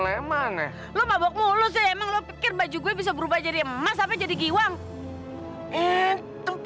lemah nih lu mabok mulu sih emang lo pikir baju gue bisa berubah jadi emas apa jadi giwang itu